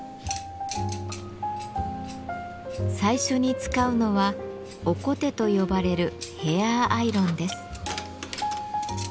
最初に使うのは「おこて」と呼ばれるヘアアイロンです。